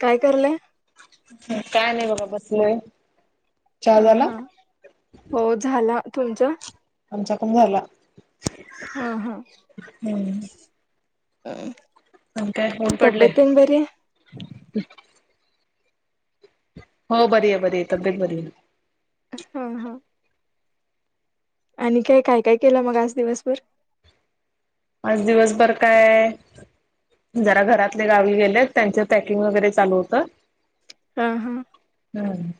काय करलाय? काय नाही बघा बसलोय. चहा हा झाला हा. हो झाला. तुमचं? आमचा पण झाला. हा हा हम्म आणि काय ऊन तब्येत पडलय. तेन बरी आहे हो बरी ये बरी ये तब्येत बरीये. हा हा आणि काय काय काय केला मग आज दिवसभर आज दिवसभर काय जरा घरातले गावी गेलेत त्यांच पॅकिंग वगैरे चालू होतं. हा हा हम्म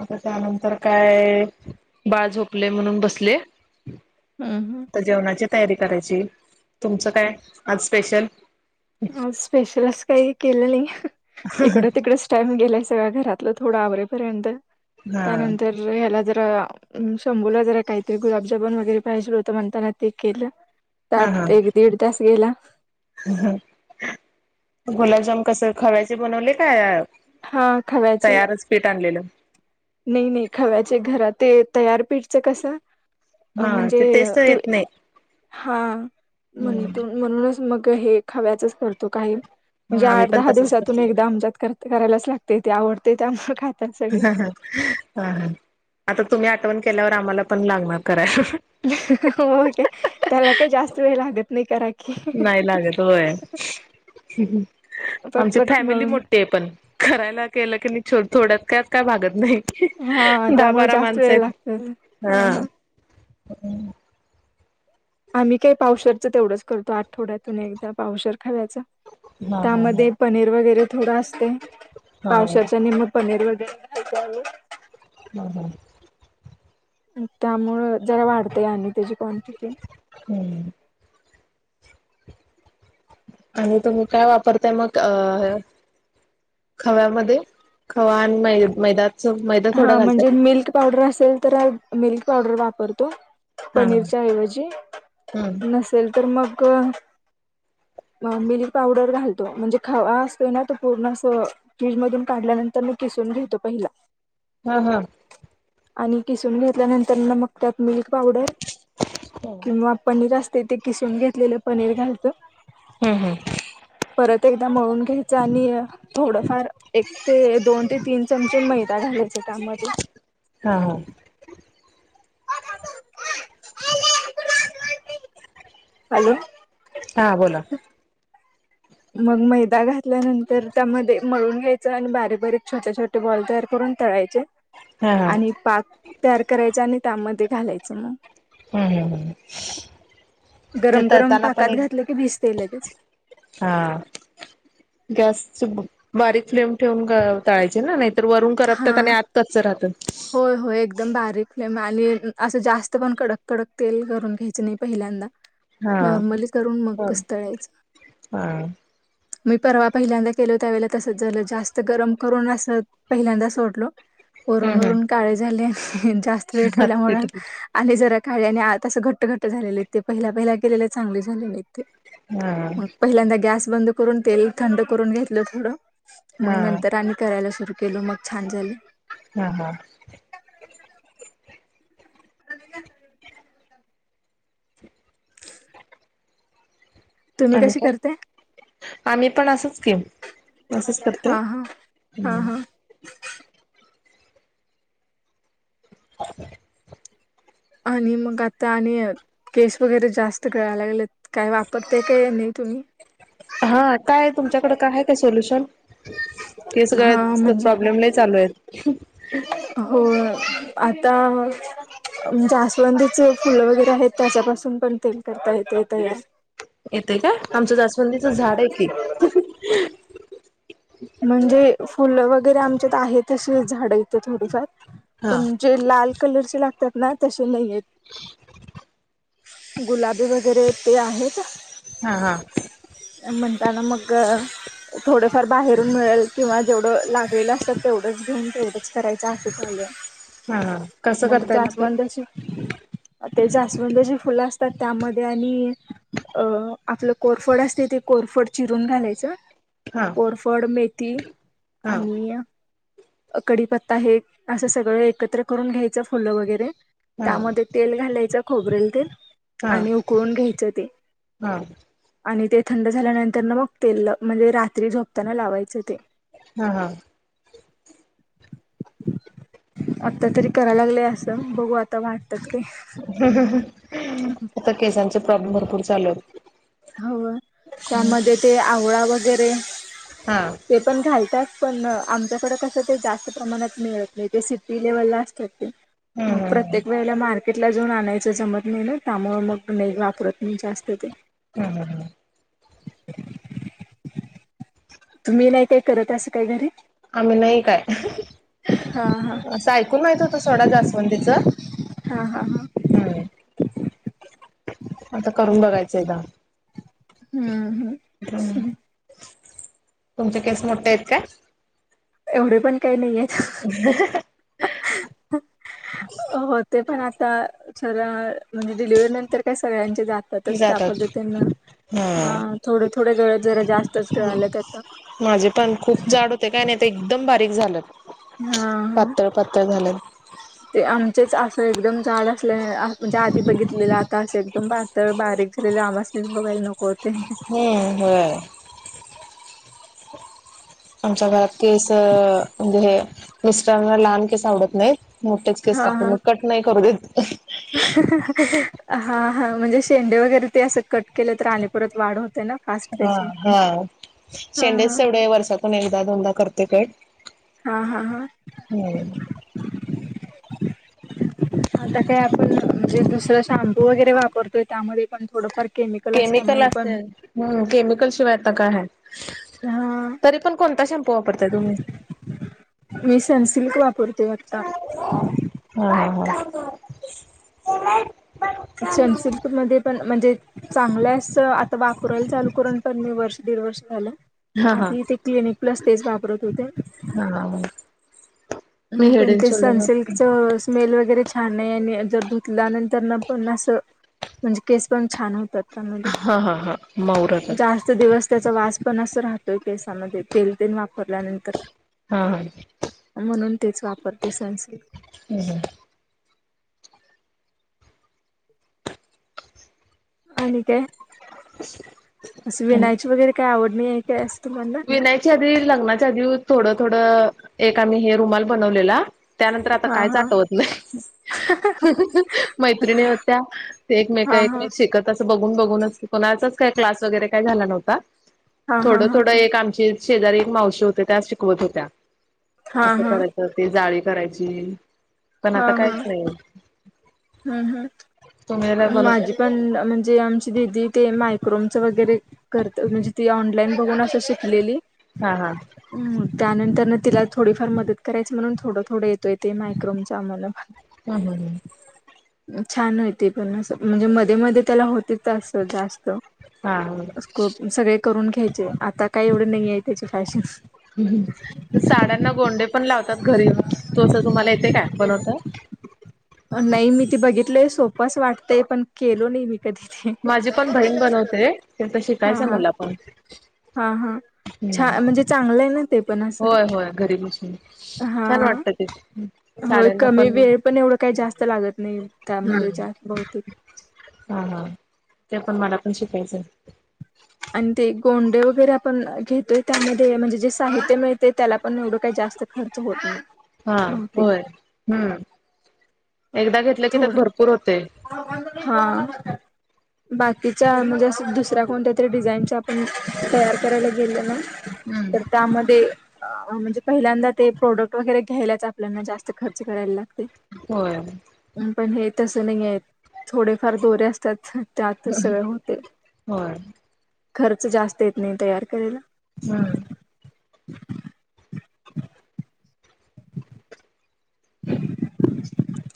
आता त्यानंतर काय बाळ झोपले म्हणून बसले. हम्म हम्म जेवणाची तयारी करायची. तुमचं काय आज स्पेशल? आज स्पेशल अस काही केलं नाही. इकडं तिकडच टाइम गेलाय सगळं घरातलं थोडं आवरेपर्यंत हा त्यानंतर ह्याला जरा शंभूला जरा काहीतरी गुलाबजामुन वगैरे पाहिजे होत म्हणताना ते केलं. हा हा त्यात एक दिड तास गेला. गुलाबजाम कस खव्याचे बनवले काय हा खव्याचे. पीट आणलेलं. नाही नाही खव्याचे घरात ते तयार पिठचं कसं अ हा म्हणजे ते टेस्ट ते येत नाही हा म्हण हम्म म्हणूनच मग हे खव्याचेच करतो कायम मग म्हणजे आम्ही आठ पण दहा तसच दिवसातून करतोय. एकदा आमच्यात करत करायलाच लागतय ते आवडतय त्यामुळ कायं आह ह ह ह आता तुम्ही आठवण केल्यावर आम्हाला पण लागणार करायला. होय काय त्याला का जास्त वेळ लागत नाही करा. की नाही लागत होय आमची पटपट फॅमिली म्हणून मोठी आहे पण करायला गेल की मी छो थोड्यात कायत काय भागत नाही. हा दहा त्यामुळे बारा जास्त माणस वेळ आहेत लागत ह हा ह आम्ही काही पावशर तेवढंच करतो आठवड्यातून एकदा पावशर खव्याचं हा हा हा त्यामध्ये पनीर वगैरे थोडं असतय हा पावशेर च्या हा निम पनीर वगैरे घेतोय आम्ही हम हम त्यामुळं जरा वाढतंय आणि त्याची क्वांटिटी हम्म आणि तुम्ही काय वापरताय मग अ खव्यामध्ये खवा आणि मै मैद्याच मैदा थोडा हा म्हणजे घालतात. मिल्क पावडर असेल तर ह मिल्क पावडर वापरतो. हा हा पनीरच्या ऐवजी हम्म. नसेल तर मग मिल्क पावडर घालतो म्हणजे खावा असतोय ना तो पूर्ण अस फ्रीज मधून काढल्यानंतर मी किसून घेतो पहिला हा हा आणि किसून घेतल्यानंतर मग त्यात मिल्क पावडर हम्म किंवा पनीर असते ते किसून घेतलेलं पनीर घालतोय. हम्म हम्म परत एकदा मळून घ्यायचं आणि थोडंफार एक ते दोन ते तीन चमचे मैदा घालायच त्यामध्ये हा हा हॅलो? हां, बोला. मग मैदा घातल्यानंतर त्यामध्ये, मळून घ्यायचं आणि बारीक- बारीक, छोट्या-छोट् बॉल तयार करून, तळायचे. हा हा आणि पाक तयार करायचा आणि त्यामध्ये घालायचं, मग. हम्म हम्म हम्म. म्हणजे गरम-गरम तळताना पाकात घातलं की, भिजतय लगेच. हां, गॅसच ब-बारीक फ्लेम ठेवून तळायचे ना, नाही तर वरून हा करपत आणि आत कच्च राहतं. होय होय एकदम बारीक फ्लेम आणि असं जास्त पण कडक-कडक तेल करून घ्यायचं नही पहिल्यांदा. हा नॉर्मली करून, मग कस हा तळायचं. मी परवा पहिल्यांदा केलो, त्यावेेळेला तसच झालं, जास्त गरम करून असं पहिल्यांदा सोडलो, हम्म वरून-वरून हम्म काळे झाले, जास्त वेळ ठेवल्यामुळे. पीठ पीठ आले जरा काळे, णि आत असं घट्ट-घट्ट झालेले, ते पहिल्या-पहिल्या केलेले, चांगले झालेले. त, हा मग पहिल्यांदा गॅस बंद करून, तेल थंड करून घेतलं थोडं. हा मंग नंतर आम्ही करायला सुरु केलो, मग छान झालं. हा हा. [inaudible] ह [inaudible] तुम्ही कशी करताय? आम्ही पण असंच की असंच करते. हां हां, हां हां. ह [inaudible] आणि मग आता आणि केश वगैरे जास्त गळाय लागलेत, काय वापरतेय काय नही तुम्ही? हां, काय तुमच्याकड काय आहे का, सोल्युशन? केस गळ हां [unintelligible] चा म्हणजे प्रॉब्लेम लई चालू ये. हो, आता म जास्वंदीच फुलं वगैरे आहेत, त्याच्यापासून पण तेल करता येतय, तयार. येतय का? आमचं जास्वदिंचं झाड ये की. म्हणजे फुलं वगैरे आमच्यात आहे तशे झाडं इथं थोडीफार, हा पण जे लाल कलरचे लागतात ना, तशे नाहीयेत. गुलाबी वगैरे, ते आहेत. हां हं. म्हणताना, मग अ थोडेफार बाहेरून मिळल किंवा जेवढं लागेलं, असं तेवढंच घेऊन तेवढंच करायचं, असं चालू ये. हा कसं मंग करताय मग ते जास्वंद अशी अ ते जास्वंदाची फुलं असतात, त्यामध्ये आणि अ आपलं कोरफड असत, ते कोरफड चिरून घालायचं हा कोरफड, मेथी हा आणि अ अ कडीपत्ता, हे असं सगळ एकत्र करून घ्यायचं, फुलं वगैरे, हा त्यामध्ये तेल घालायचं, खोबरेल तेल हा आणि उकळून घ्यायचं ते. हा आणि ते थंड झाल्यानंतर ना, मंग तेल अ म्हणजे रात्री झोपताना लावायचं ते हं हं. [inaudible] आत्ता तरी करा लागले असं, बघू आता वाट हन्हहन, आता केसांचे प्रॉब्लेम भरपूर चालू येत. हा व त्यामध्ये ते आवळा वगैरे हा ते पण घालतात पण आमच्याकडं कसं ते जास्त प्रमाणात मिळत नाही ते सिटी लेव्हलला आसतात ते, हम्म मग हम्म हम्म प्रत्येक वे ळी मार्केटला जाऊन आणायचं जमत नाही ना त्यामुळं मग नई वापरत मी जास्त ते. हा हा हा, [inaudible] तुम्ही नाही काय करत असं काही घरी? आम्ही नाही काय. हा हा आसं ऐकून माहित होत सोडा जास्वंदीच हा हा हा हा आता करून बघायचंय एकदा. हुं हुं, हू तुमचे केस मोठे आहेत काय? एवढे पण काय नाही येत. [unintelligible] होते पण आता जरा म्हणजे डिलिव्हरी नंतर काय सगळ्यांचे जा तातच त्या जातात. पद्धतीनं हम्म. हां थोडे थोडे गळत जरा जा माझे पण खूप जाड होते काय नाही ते एकदम बारीक झाले. हा हा. ते आमचेच असं एकदम जाड असल्याने आह म्हणजे आधी बघितलेलं आता असं एकदम बा पातळ, बारीक झालेले आम्हासनीच बघायला न हू होय. आमच्या घरात केस म्हणजे हे मिस्टरांना लहान केस आवडतं नाही, मोठेच केस हा लागतात हा मग कट नाही करू देत. हा हा म्हणजे शेंडे वगैरे ते असं कट केल तर आणि परत वाढ होते ना? फास्ट हा त्याची हा हा हा शेंडेच तेवढे वर्षातून एकदा दोनदा करते कट. हा हा हा, हम्म. आता काय आपण म्हणजे दुसरा शॅम्पू वगैरे वापरतोय त्यामध्ये पण थोडफार केमिकल असल्यामुळं पण हू केमिकलशिवाय आता काय हाय, हा तरी पण कोणता शॅम्पू वापरताय तुम्ही? मी सनसिल्क वापरते आता. हा हा हा, सनसिल्कमधे पण म्हणजे चांगलं आहे आस आता वापराला चालू करून पण मी वर्ष दीड वर्ष झालं. हा हा. आधी ते क्लिनिक प्लस तेच वापरत होते. हा मी हू हेड पण अँड ते शोल्डर वापरते. सनसिल्कचं स्मेल वगैरे छान आहे. आणि जर धुतल्यानंतरन पण आसं म्हणजे केस पण छान होतात. हा हा हा मऊराचा [unintelligible] जा स्त दिवस त्याचा वास पण अस राहतोय केसामध्ये तेल तेन वापरल्यानंतर. हा हा, म्हणून तेच वापरते सनसिल्क. हुं हुं, आणि काय? असं आणि विनायची वगैरे काय आवड नाही आहे काय असं तुम्हाना? विणायची आधी लग्नाच्या आधी थोडं थोडं एक आम्ही हे रुमाल बनवलेला, त्यानंतर आता हा कायच हा आठवत नाही. मैत्रिणी होत्या ते एकमेका हा हा एकमेक शिकत तसं बघून बघूनच की कोणाचाच काय क्लास वगैरे काय झाला नव्हता. हां हां थोडं हां थोडं एक आमचे शेजारी एक मावशी होत्या त्याच शिकवत होत्या, हा असं हा कराय तर ते जाळी करायची. पण आता काहीच नाय ये हूं हूं बनवताय. माझी पण म्हणजे आम दिदी ते मायक्रोमच वगैरे करत म्हणजे ती ऑनलाईन बघून असं शिकलेली हां हां हम्म त्यानंतर ना तिला थोडीफार मदत करायची, म्हणून थोडं थोडं येतोय ते मायक्रोमच आम्हाला हूं हूं हूं छान होते, पण अस म्हणजे मध्ये मध्ये त्याला होते तास जास्त हा ह स्कोप सगळे करून घ्यायचे. आता काय एवढे नय ये त्याची फॅशन साड्यांना गोंडे पण लावतात घरी तसं तुम्हाला येतय काय बनवता. नाई मी ते बघितलय, सोपं असं वाटतंय, पण केलो नय मी कधी ते माझी पण बहीण बनवते ते तर हा हा [unintelligible] हा हा छा हम्म म्हणजे चांगलं ये ना, ते पण असं होय होय घरी बसून छान हा, वाटतं ते होय. कमी वेळ पण एवढं काय जास्त लागत नाही. त्यामध्ये हम्म, जास्त बहुतेक हा हा ते पण मला पण शिकायचंय. आणि ते गोंडे वगैरे आपण घेतोय, त्यामध्ये म्हणजे जे साहित्य मिळतय, त्याला पण एवढं काय जास्त खर् र्च होत नाय. हा, होय, हम्म एकदा घेतलं की त्यात थोडं भरपूर होतय. हा. बाकीच्या म्हणजे असं दुसऱ्या कोणत्या तरी, डिझाईनच्या आपण तयार करायला गेले ना तर हम्म त्यामध्ये अ म्हणजे, पहिल्यांदा ते प्रोडक्ट वगैरे घ्यायलाच आपल्याना जास्त खर्च करायला लागतय. होय. अं पण हे तसं नाहीयेत. थोडेफार दोरे असतात. त्यातच सगळ होतय. होय खर्च जास्त येत नाय तयार करायला. हम्म. [inaudible]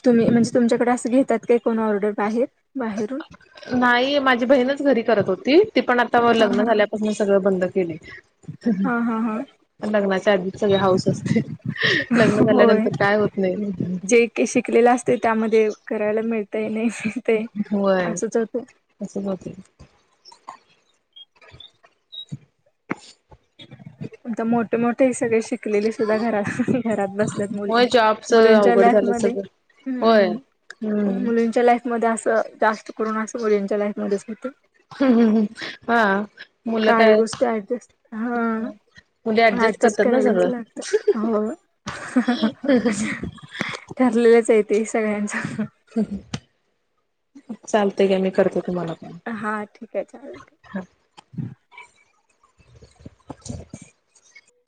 तुम्ही म्हणजे, तुमच्याकडे असं घेतात काय? कोण ऑर्डर बाहेर बाहेरून नाही. माझी बहीणच घरी करत होती. ती पण आत त हा लग्न हा झाल्यापासन सगळ बंद केलय. हा हा हा लग्नाच्या आधी सगळी हौस असते. लग्न झाल्यानंतर काय होत नाही. ते शिकलेल असतय, त्यामध्ये करायला मिळतय नय. होय, असच होते. आता मोठे मोठे सगळे शिकलेले सुद्धा घरात, घरात बसल्यात मुली. होय जॉबच मुलींच्या अवघड लाईफ झालं मध्ये सगळं होय हम्म हम्म मुलींच्या लाईफ मध्ये असं जास्त करून असं मुलींच्या लाईफ मध्येच होते. हूं हूं हूं हा मुलं काही काय गोष्टी ऍडजेस्ट मुली हा ऍडजस्ट करतात ना करायलाच सगळं लागत हो. ठरलेलंच आय तेे सगळ्यांच. चालतय घ्या मी करतो तुम्हाला पण. हा ठीक हाय चालेल. हा.